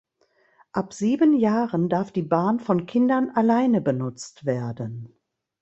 Ab sieben Jahren darf die Bahn von Kindern alleine benutzt werden.